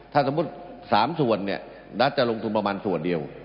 ถ้าสมมุติ๓ส่วนเนี่ยนัทจะลงทุนประมาณส่วนเดียว